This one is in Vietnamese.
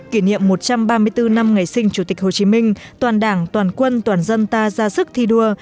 kỷ niệm một trăm ba mươi bốn năm ngày sinh chủ tịch hồ chí minh toàn đảng toàn quân toàn dân ta ra sức thi đua